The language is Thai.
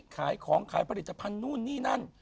ขายของขายผลิตภัณฑ์นู่นนี่นั่น